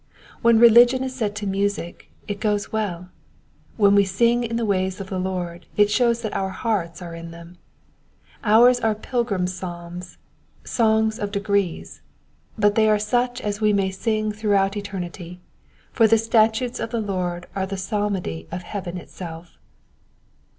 When re ligion is set to music it goes well. When we sing in the ways of the Lord it shows that our hearts are in them. Ours are pilgrim psalms, songs of degrees ; but they are such as we may sing throughout eternity ; for the statutes of the Lord are the psalmody of heaven itself.